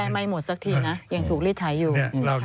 แจมัยหมดซักทีนะ